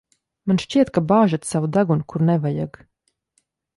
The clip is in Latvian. Man šķiet, ka bāžat savu degunu, kur nevajag.